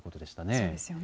そうですよね。